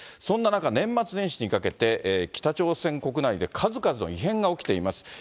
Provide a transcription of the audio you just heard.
そんな中、年末年始にかけて北朝鮮国内で数々の異変が起きています。